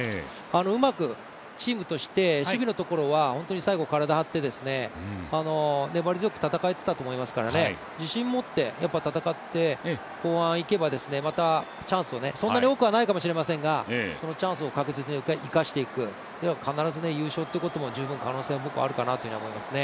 うまくチームとして守備のところは、本当に最後、体を張って、粘り強く戦えていたと思いますから、自信持って戦って後半いけば、またチャンスを、そんなに多くはないかもしれませんがチャンスを確実に生かしていく、必ず優勝ということも十分可能性はあるかなと思いますね。